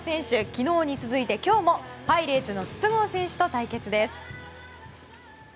昨日に続いて今日もパイレーツの筒香選手と対決です。